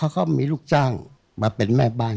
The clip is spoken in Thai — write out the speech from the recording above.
เขาก็มีลูกจ้างมาเป็นแม่บ้าน